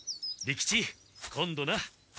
利吉今度な。